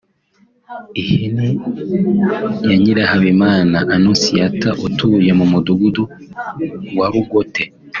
Ihene ya Nyirahabimana Annonciata utuye mu mudugudu wa Rugote